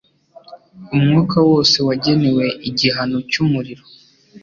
Umwuka wose wagenewe igihano cyumuriro